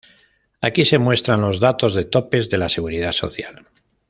Aquí se muestran los datos de topes de la Seguridad Social.